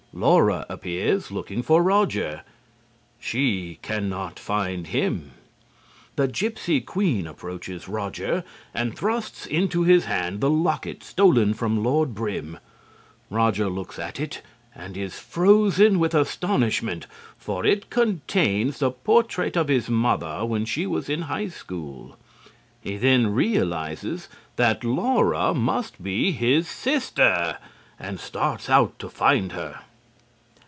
Laura appears, looking for Roger. She can not find him. The gypsy queen approaches Roger and thrusts into his hand the locket stolen from Lord Brym. Roger looks at it and is frozen with astonishment, for it contains the portrait of his mother when she was in high school. He then realizes that Laura must be his sister, and starts out to find her.